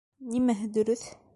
Нимәһе дөрөҫ?